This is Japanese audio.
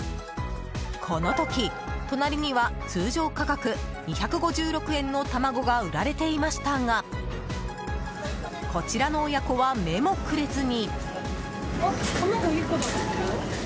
この時、隣には通常価格２５６円の卵が売られていましたがこちらの親子は目もくれずに。